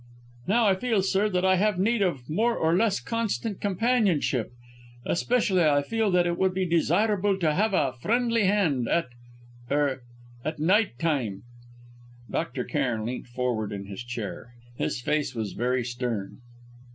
"Now I feel, sir, that I have need of more or less constant companionship. Especially I feel that it would be desirable to have a friend handy at er at night time!" Dr. Cairn leant forward in his chair. His face was very stern.